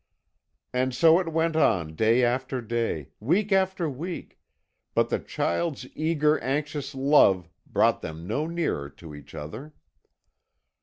"And so it went on day after day, week after week, but the child's eager, anxious love brought them no nearer to each other.